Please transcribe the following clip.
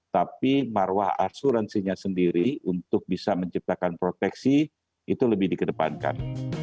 tapi marwah asuransinya sendiri untuk bisa menciptakan proteksi itu lebih dikedepankan